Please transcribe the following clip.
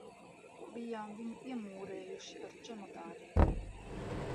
Bijām viņu iemūrējuši ar čemodāniem.